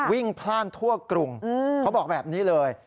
วิ่งพล่านทั่วกรุงอืมเขาบอกแบบนี้เลย